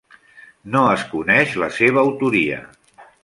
No es coneix la seva autoria.